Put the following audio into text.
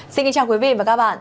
xin kính chào quý vị và các bạn